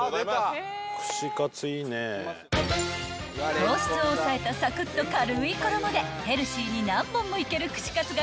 ［糖質を抑えたサクッと軽い衣でヘルシーに何本もいける串カツが大人気］